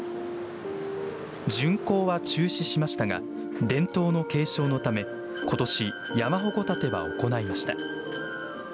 巡行は中止しましたが伝統の継承のためことし山鉾建ては行いました。